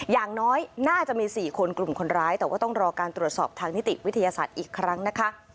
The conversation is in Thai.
อย่างน้อยน่าจะมี๔คนกลุ่มคนร้ายแต่ว่าต้องรอการตรวจสอบทางนิติวิทยาศาสตร์อีกครั้งนะคะ